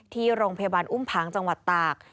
ที่โรงพยาบาลอุ้มผังจังหวัดตาก